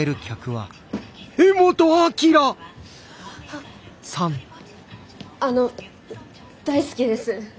ああの大好きです